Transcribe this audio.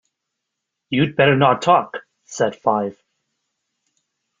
‘You’d better not talk!’ said Five.